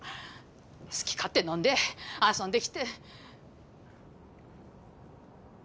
好き勝手飲んで遊んできて。